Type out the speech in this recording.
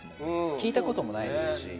聞いた事もないですし。